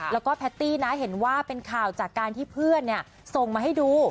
แล้วก็แพตตี้นะเห็นว่าเป็นข่าวจากการที่เพื่อนส่งมาให้ดู